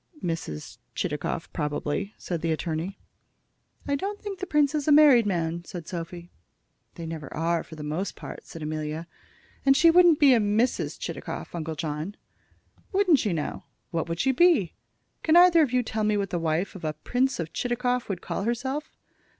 "Mrs. Chitakov, probably," said the attorney. "I don't think the prince is a married man," said Sophy. "They never are, for the most part," said Amelia; "and she wouldn't be Mrs. Chitakov, Uncle John." "Wouldn't she, now? What would she be? Can either of you tell me what the wife of a Prince of Chitakov would call herself?"